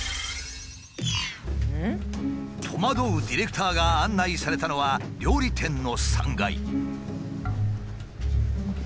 戸惑うディレクターが案内されたのは料理店の３階。